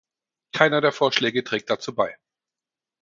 Keiner der Vorschläge trägt dazu bei.